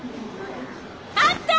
あった！